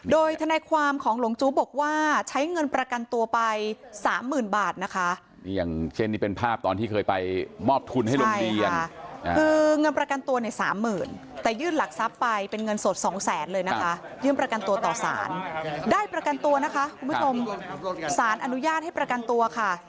ได้ประกันตัวนะคะคุณผู้ชมสารอนุญาตให้ประกันตัวค่ะ